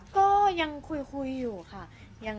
ก็ยังคุยอยู่ค่ะ